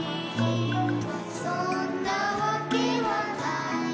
「そんなわけはないけれど」